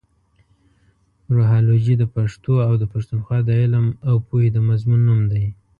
روهالوجي د پښتنو اٶ د پښتونخوا د علم اٶ پوهې د مضمون نوم دې.